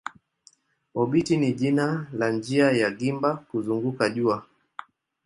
Obiti ni jina la njia ya gimba kuzunguka jua.